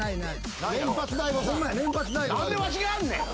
何でわしがあんねん！